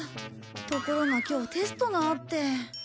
ところが今日テストがあって。